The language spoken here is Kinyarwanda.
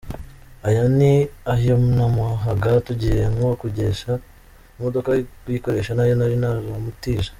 Aya ni ayo namuhaga tugiye nko kogesha imodoka, kuyikoresha n’ayo nari naramutije.